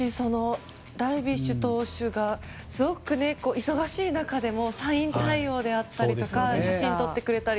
ダルビッシュ投手がすごく忙しい中でもサイン対応であったりとか写真撮ってくれたり。